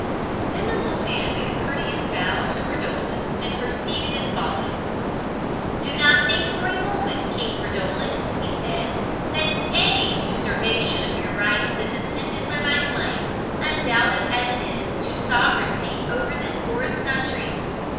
Then the little man made a courteous bow to Fridolin, and proceeded as follows: "Do not think for a moment, King Fridolin," he said, "that any usurpation of your rights is intended by my claim, undoubted as it is, to sovereignty over this forest country.